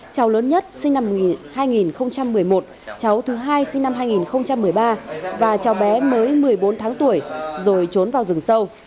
cháu lớn nhất sinh năm hai nghìn một mươi một cháu thứ hai sinh năm hai nghìn một mươi ba và cháu bé mới một mươi bốn tháng tuổi rồi trốn vào rừng sâu